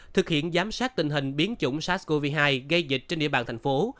thực hiện giám sát tình hình biến chủng sars cov hai gây dịch trên địa bàn thành phố